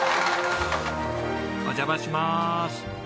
お邪魔しまーす！